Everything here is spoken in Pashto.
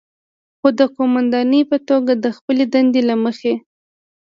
خو د قوماندانې په توګه د خپلې دندې له مخې،